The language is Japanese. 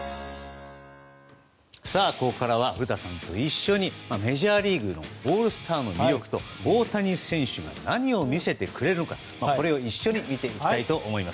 ここからは古田さんと一緒にメジャーリーグのオールスターの魅力と大谷選手が何を見せてくれるのかこれを一緒に見ていきたいと思います。